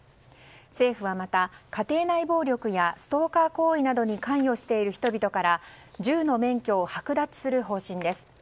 政府はまた、家庭内暴力やストーカー行為などに関与している人々から銃の免許をはく奪する方針です。